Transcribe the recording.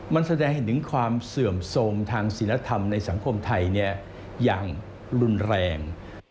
มันแสดงให้ถึงความเสื่อมโทรมทางศิลธรรมในสังคมไทยอย่างรุนแรง